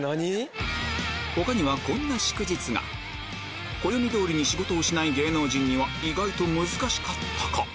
他にはこんな祝日が暦通りに仕事をしない芸能人には意外と難しかったか？